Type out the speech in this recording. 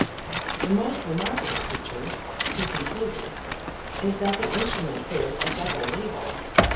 "The most remarkable feature," he concluded, "is that the instrument bears a double label.